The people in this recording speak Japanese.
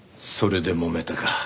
それでもめたか。